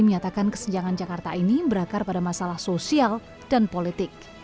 menyatakan kesenjangan jakarta ini berakar pada masalah sosial dan politik